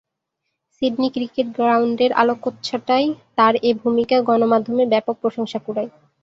Sydney cricket গ্রাউন্ডের আলোকচ্ছটায় তার এ ভূমিকা গণমাধ্যমে ব্যাপক প্রশংসা কুড়ায়।